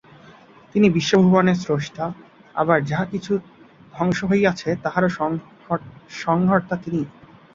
তিনি বিশ্বভুবনের স্রষ্টা, আবার যাহা কিছু ধ্বংস হইতেছে, তাহারও সংহর্তা তিনিই।